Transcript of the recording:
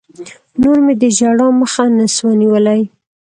نور مې د ژړا مخه نه سوه نيولى.